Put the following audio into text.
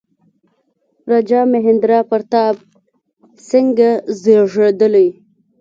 راجا مهیندرا پراتاپ سینګه زېږېدلی.